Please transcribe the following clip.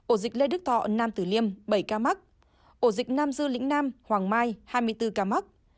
ổ dịch lê đức thọ nam tử liêm bảy ca mắc ổ dịch nam dư lĩnh nam hoàng mai hai mươi bốn ca mắc